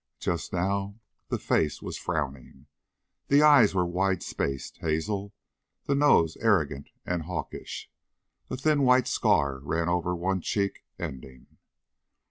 Just now the face was frowning. The eyes were wide spaced, hazel, the nose arrogant and hawkish. A thin white scar ran over one cheek ending.